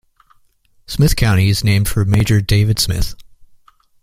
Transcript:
Smith County is named for Major David Smith.